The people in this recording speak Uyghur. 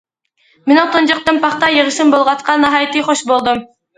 مېنىڭ تۇنجى قېتىم پاختا يىغىشىم بولغاچقا ناھايىتى خۇش بولدۇم.